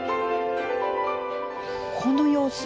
この様子。